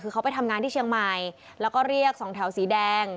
คือเขาไปทำงานที่เชียงใหม่แล้วก็เรียกสองแถวสีแดง